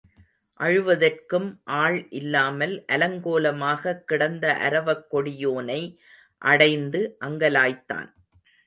அழுவதற்கும் ஆள் இல்லாமல் அலங்கோலமாகத் கிடந்த அரவக் கொடியோனை அடைந்து அங்கலாய்த்தான்.